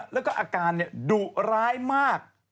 แล้วก็อาการดุร้ายมาก